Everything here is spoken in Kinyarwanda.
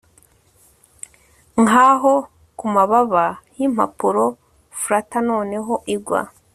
nkaho kumababa yimpapuro, flutter noneho igwa